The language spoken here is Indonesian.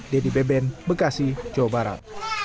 dedy beben bekasi jawa barat